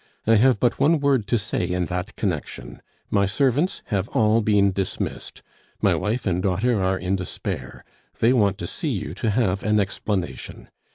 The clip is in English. I have but one word to say in that connection. My servants have all been dismissed. My wife and daughter are in despair; they want to see you to have an explanation.